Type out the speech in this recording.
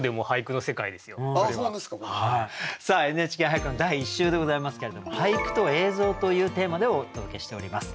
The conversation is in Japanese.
「ＮＨＫ俳句」の第１週でございますけれども「俳句と映像」というテーマでお届けしております。